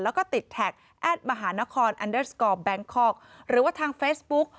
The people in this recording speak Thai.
แล้วก็ติดแท็กแอดมหานครแบงค์คอล์กหรือว่าทางเฟสบุ๊ก